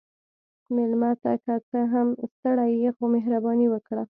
مېلمه ته که څه هم ستړی يې، خو مهرباني وکړه.